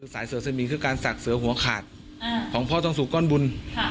สายเสือสมิงคือการศักดิ์เสือหัวขาดของพ่อต้องสู่ก้อนบุญ